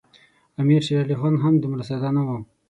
امیر شېر علي خان هم دومره ساده نه وو.